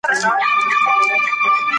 شيرشاه ښه ماشوم دی